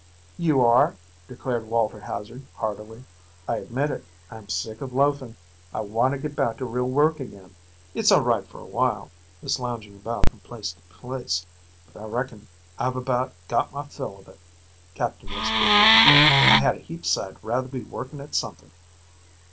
"You are," declared Walter Hazard heartily. "I admit it. I'm sick of loafing. I want to get back to real work again." "It's all right for a while, this lounging about from place to place, but I reckon I've about got my fill of it," Captain Westfield admitted. "I had a heap sight rather be working at something."